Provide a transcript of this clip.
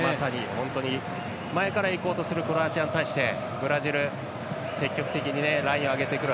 本当に、前からいこうとするクロアチアに対してブラジル積極的にラインを上げてくる。